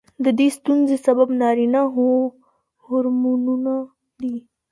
د دې ستونزې سبب نارینه هورمونونه دي.